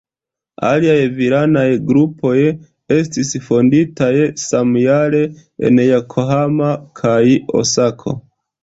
Aliaj virinaj grupoj estis fonditaj samjare en Jokohamo kaj Osako.